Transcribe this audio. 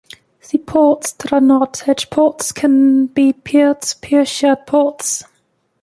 The ports that are not "edge-ports" can be peer-to-peer or shared ports.